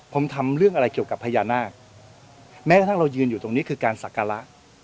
ผมทำเรื่องอะไรเกี่ยวกับพญานาคแม้กระทั่งเรายืนอยู่ตรงนี้คือการศักระ